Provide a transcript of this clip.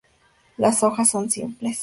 Las hojas son simples.